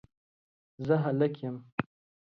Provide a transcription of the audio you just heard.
زه هلک یم